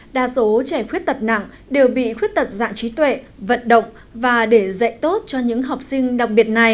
đa số trẻ khuyết tật nặng đều bị khuyết tật dạng trí tuệ vận động và để dạy tốt cho những học sinh đặc biệt này